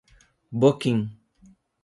Boquim